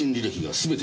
全て？